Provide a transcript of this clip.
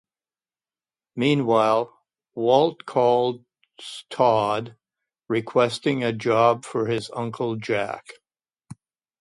Meanwhile, Walt calls Todd, requesting a job for his Uncle Jack.